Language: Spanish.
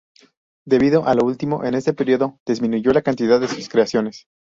Debido a lo último, en este período disminuyó la cantidad de sus creaciones.